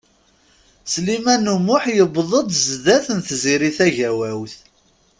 Sliman U Muḥ yewweḍ-d zdat n Tiziri Tagawawt.